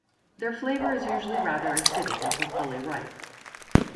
Their flavour is usually rather acidic until fully ripe.